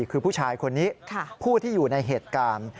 คือผู้ชายคนนี้ผู้ที่อยู่ในเหตุการณ์